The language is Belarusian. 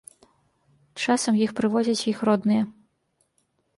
Часам іх прыводзяць іх родныя.